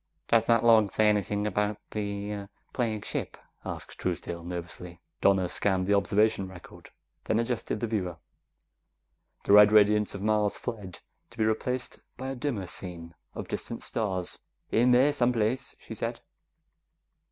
"Does that log say anything about the plague ship?" asked Truesdale nervously. Donna scanned the observation record, then adjusted the viewer. The red radiance of Mars fled, to be replaced by a dimmer scene of distant stars. "In there someplace," she said.